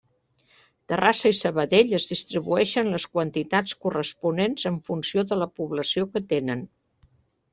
Terrassa i Sabadell es distribueixen les quantitats corresponents en funció de la població que tenen.